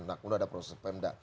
nah kemudian ada proses pemda